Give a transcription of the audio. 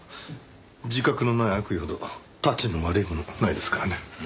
自覚のない悪意ほどタチの悪いものないですからね。